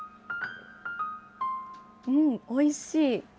うん、おいしい！